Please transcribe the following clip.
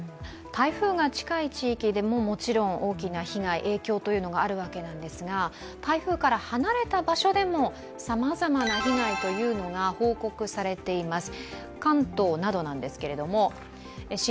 台風が近い地域でももちろん大きな被害、影響があるわけですが、台風から離れた場所でも、さまざまな被害が報告されています。